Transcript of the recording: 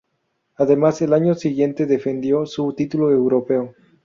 Además, al año siguiente defendió su título europeo.